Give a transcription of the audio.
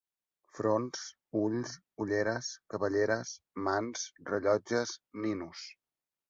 Fronts, ulls, ulleres, cabelleres, mans, rellotges, ninos.